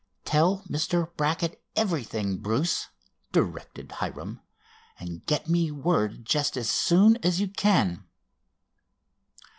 "Tell Mr. Brackett everything, Bruce," directed Hiram, "and get me word just as soon as you can."